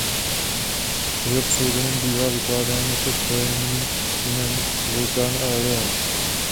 Jeho pseudonym bývá vykládán jako spojení jmen Vulkán a Eliáš..